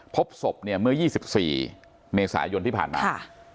พบศพเนี่ยเมื่อ๒๔เมษายนที่ผ่านมา